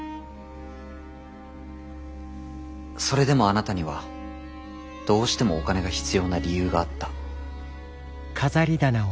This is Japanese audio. それでもあなたにはどうしてもお金が必要な理由があった。